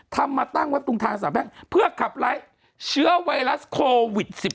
มาตั้งไว้ตรงทางสามแพ่งเพื่อขับไล่เชื้อไวรัสโควิด๑๙